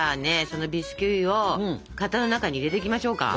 そのビスキュイを型の中に入れていきましょうか。